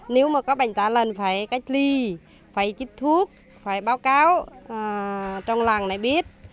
nếu mà có bệnh tả lợn phải cách ly phải chích thuốc phải báo cáo trong làng này biết